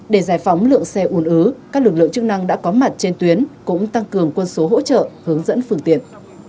để giải phóng lượng xe ùn ứ các lực lượng chức năng đã có mặt trên tuyến cũng tăng cường quân số hỗ trợ hướng dẫn phương tiện